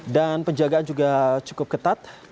dan penjagaan juga cukup ketat